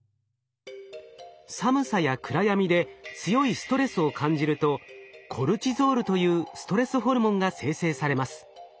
寒さや暗闇で強いストレスを感じるとコルチゾールというストレスホルモンが生成されます。